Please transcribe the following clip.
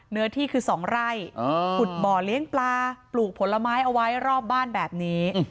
เนื้อที่คือ๒ไร่ขุดบ่อเลี้ยงปลาปลูกผลไม้เอาไว้รอบบ้านแบบนี้